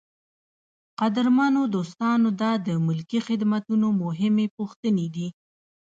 قدرمنو دوستانو دا د ملکي خدمتونو مهمې پوښتنې دي.